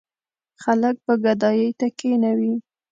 خلک به ګدايۍ ته کېنوي.